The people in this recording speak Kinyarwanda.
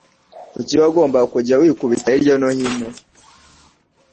Kuki wagombaga kujya wikubita hirya no hino?